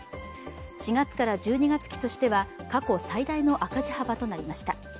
４月から１２月期としては過去最大の赤字幅となりました。